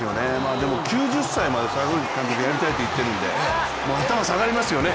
でも９０歳まで阪口監督やりたいって言ってたんで頭下がりますよね。